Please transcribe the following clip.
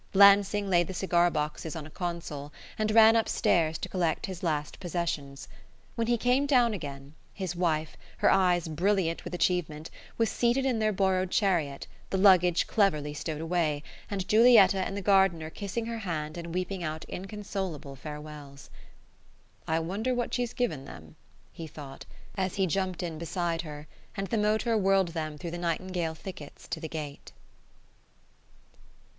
Lansing laid the cigar boxes on a console and ran upstairs to collect his last possessions. When he came down again, his wife, her eyes brilliant with achievement, was seated in their borrowed chariot, the luggage cleverly stowed away, and Giulietta and the gardener kissing her hand and weeping out inconsolable farewells. "I wonder what she's given them?" he thought, as he jumped in beside her and the motor whirled them through the nightingale thickets to the gate.